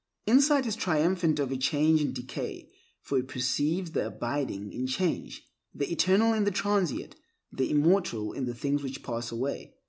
Insight is triumphant over change and decay, for it perceives the abiding in change, the eternal in the transient, the immortal in the things which pass away.